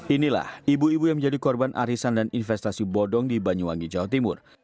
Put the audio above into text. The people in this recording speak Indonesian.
inilah ibu ibu yang menjadi korban arisan dan investasi bodong di banyuwangi jawa timur